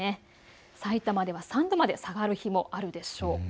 さいたまでは３度まで下がる日もあるでしょう。